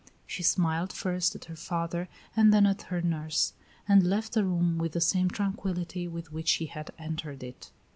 She smiled first at her father and then at her nurse; and left the room with the same tranquillity with which she had entered it.